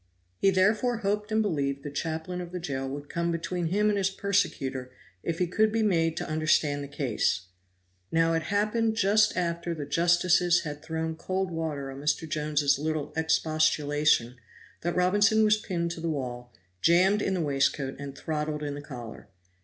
He therefore hoped and believed the chaplain of the jail would come between him and his persecutor if he could be made to understand the case. Now it happened just after the justices had thrown cold water on Mr. Jones's little expostulation that Robinson was pinned to the wall, jammed in the waistcoat, and throttled in the collar.